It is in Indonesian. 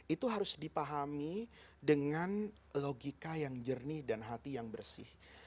itu harus dipahami dengan logika yang jernih dan hati yang bersih